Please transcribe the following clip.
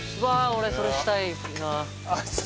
俺それしたいなあ。